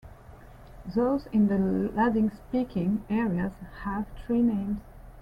Those in the Ladin-speaking areas have three names.